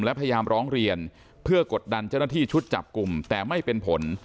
และพยายามร้องเรียนเพื่อกดดันเจ้าหน้าที่ชุดจับกลุ่มแต่ไม่เป็นผล